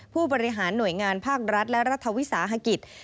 ผู้บริหารหน่วยงานภาครัฐและรัฐวิสาหกิจ